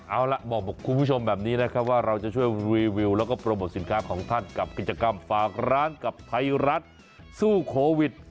เอาล่ะบอกคุณผู้ชมแบบนี้นะครับว่าเราจะช่วยรีวิวแล้วก็โปรโมทสินค้าของท่านกับกิจกรรมฝากร้านกับไทยรัฐสู้โควิด